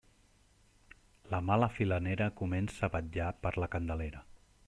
La mala filanera comença a vetllar per la Candelera.